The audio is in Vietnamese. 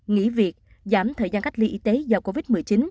nghỉ việc giảm thời gian cách ly y tế do covid một mươi chín